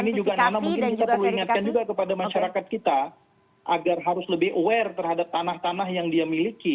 ini juga nana mungkin kita perlu ingatkan juga kepada masyarakat kita agar harus lebih aware terhadap tanah tanah yang dia miliki